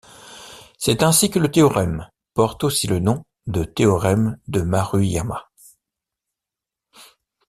C'est ainsi que le théorème porte aussi le nom de théorème de Maruyama.